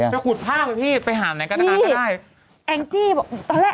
ไปขุดภาพพี่ไปหาแก๊การ์ต้างก็ได้